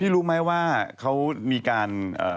พี่รู้มั้ยว่าที่เขามีการ